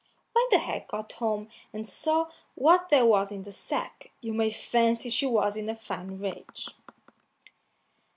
When the hag got home and saw what there was in the sack, you may fancy she was in a fine rage.